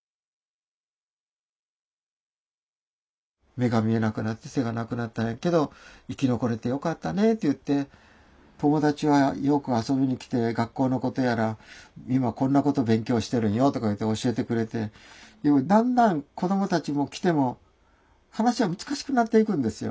目が見えなくなって手がなくなったんやけど生き残れてよかったねって言って友達はよく遊びに来て学校のことやら今こんなこと勉強してるんよとか言うて教えてくれてでもだんだん子どもたちも来ても話が難しくなっていくんですよ。